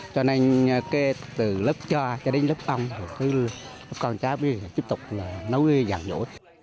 cho nên từ lớp choa đến lớp tông lớp con cháu bây giờ tiếp tục nấu dạng dỗ